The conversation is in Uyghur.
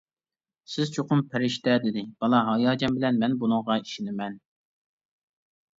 -سىز چوقۇم پەرىشتە-دېدى بالا ھاياجان بىلەن، -مەن بۇنىڭغا ئىشىنىمەن.